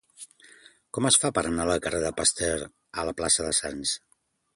Com es fa per anar del carrer de Pasteur a la plaça de Sants?